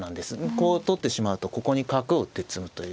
こう取ってしまうとここに角を打って詰むという。